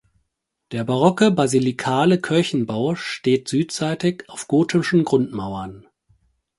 Der barocke basilikale Kirchenbau steht südseitig auf gotischen Grundmauern.